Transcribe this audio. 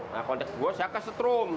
nah kontak gue saya ke setrum